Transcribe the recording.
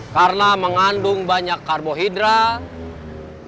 karena mengandung banyak karbohidrat